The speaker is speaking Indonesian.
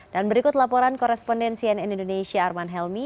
dan berikut laporan korespondensian indonesia arman helmi